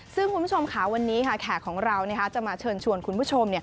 ซึ่งคุณผู้ชมค่ะวันนี้แขกของเราจะมาเชิญชวนคุณผู้ชม